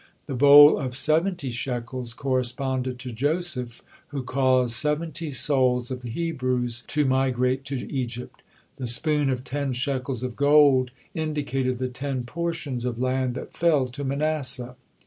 The bowl of seventy shekels corresponded to Joseph who caused seventy souls of the Hebrews to migrated to Egypt. The spoon of ten shekels of gold indicated the ten portions of land that fell to Manasseh.